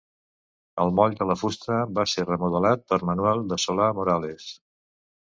El Moll de la fusta va ser remodelat per Manuel de Solà-Morales.